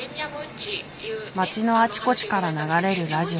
町のあちこちから流れるラジオ。